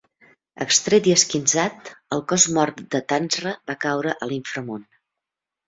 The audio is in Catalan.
Extret i esquinçat, el cos mort de Tanzra va caure a l'inframón.